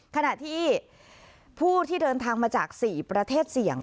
ขณะที่ผู้ที่เดินทางมาจาก๔ประเทศเสี่ยง